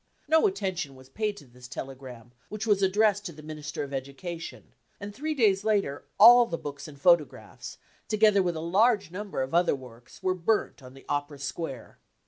No attention was paid to this telegram, which was addressed to the Minister of Education, and three days later all the books THE CAMPAIGN AGAINST CULTURE 169 and photographs, together with a large number of other works, were burnt on the Opera square.